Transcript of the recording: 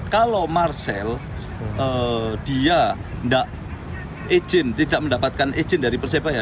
kalau marcel dia tidak mendapatkan izin dari persebaya